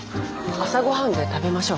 朝ごはんで食べましょう。